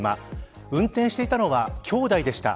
運転していたのは兄弟でした。